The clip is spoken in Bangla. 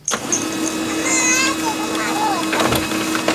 তোমার ত্বক দেখতে খারাপ লাগছে না।